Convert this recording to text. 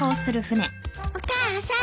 お母さん。